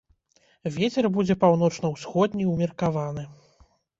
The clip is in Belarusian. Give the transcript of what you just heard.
Вецер будзе паўночна-ўсходні ўмеркаваны.